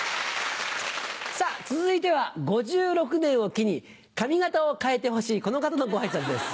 さぁ続いては５６年を機に髪形を変えてほしいこの方のご挨拶です。